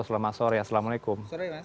selamat sore assalamualaikum